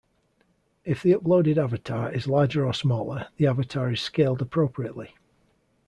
If the uploaded avatar is larger or smaller, the avatar is scaled appropriately.